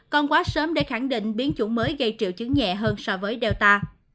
còn quá sớm để khẳng định biến chủng mới gây triệu chứng nhẹ hơn so với delta